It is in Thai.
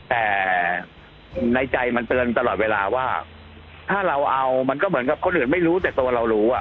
แต่ในใจมันเตือนตลอดเวลาว่าถ้าเราเอามันก็เหมือนกับคนอื่นไม่รู้แต่ตัวเรารู้อ่ะ